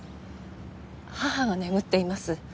母が眠っています。